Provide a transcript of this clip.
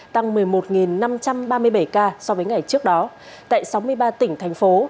tăng một mươi một năm trăm ba mươi bảy ca so với ngày trước đó tại sáu mươi ba tỉnh thành phố